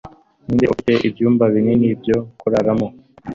Ninde Ufite Ibyumba binini byo kuraramo